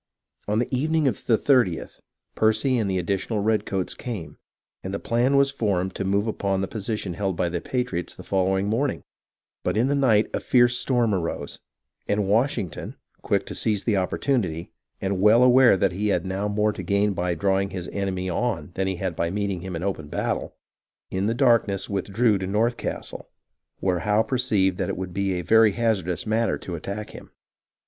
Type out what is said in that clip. On the evening of the 30th Percy and the additional redcoats came, and the plan was formed to move upon the position held by the patriots the following morning ; but in the night a fierce storm arose, and Washington, quick to seize the oppor tunity, and well aware that he had now more to gain by drawing his enemy on than he had by meeting him in open battle, in the darkness withdrew to North Castle, where Howe perceived that it would be a very hazardous matter to attack him.